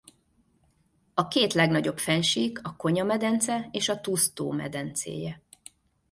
A két legnagyobb fennsík a Konya-medence és a Tuz-tó medencéje.